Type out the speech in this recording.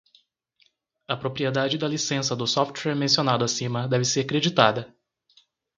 A propriedade da licença do software mencionado acima deve ser creditada.